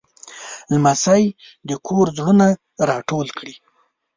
لمسی د کور زړونه راټول کړي.